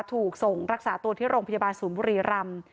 ถูกส่งรักษาตัวที่โรงพยาบาลศูนย์บุรีรำ